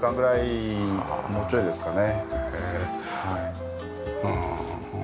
はい。